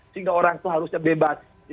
sehingga orang itu harusnya bebas